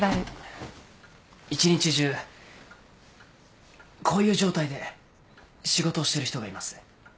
一日中こういう状態で仕事をしてる人がいます。